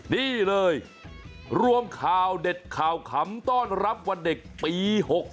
นี่เลยรวมข่าวเด็ดข่าวขำต้อนรับวันเด็กปี๖๖